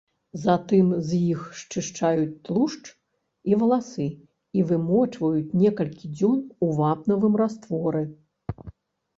Затым з іх счышчаюць тлушч і валасы і вымочваюць некалькі дзён у вапнавым растворы.